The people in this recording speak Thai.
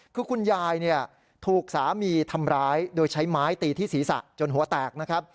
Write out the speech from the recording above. คือคุณยายถูกสามีทำร้ายโดยใช้ไม้ตีที่ศีรษะจนหัวแตกนะครับ